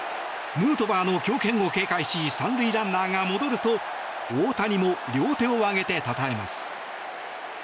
ヌートバーの強肩を警戒し３塁ランナーが戻ると大谷も両手を上げてたたえます。